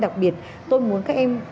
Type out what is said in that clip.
đặc biệt tôi muốn các em